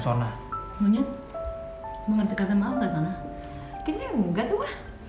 sona ngerti ngerti maafkan ma